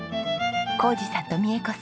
宏二さんと美恵子さん